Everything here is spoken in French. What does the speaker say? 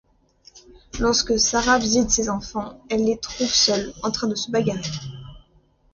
Lorsque Sara visite ses enfants, elle les trouve seuls, en train de se bagarrer.